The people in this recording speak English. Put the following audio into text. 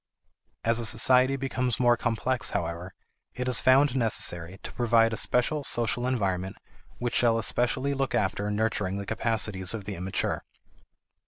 As a society becomes more complex, however, it is found necessary to provide a special social environment which shall especially look after nurturing the capacities of the immature.